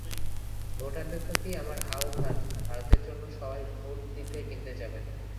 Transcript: ভোটারদের প্রতি আমার আহ্বান, ভারতের জন্য সবাই ভোট দিতে কেন্দ্রে যাবেন।